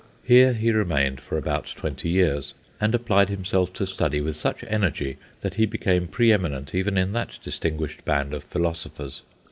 Here he remained for about twenty years, and applied himself to study with such energy that he became pre eminent even in that distinguished band of philosophers.